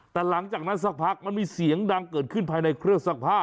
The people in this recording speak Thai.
แต่หลังจากนั้นสักพักมันมีเสียงดังเกิดขึ้นภายในเครื่องซักผ้า